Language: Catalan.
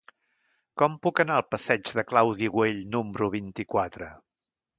Com puc anar al passeig de Claudi Güell número vint-i-quatre?